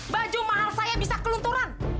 baju mahal saya bisa kelunturan